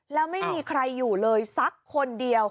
แล้วไม่มีใครอยู่เลยสักคนเดียว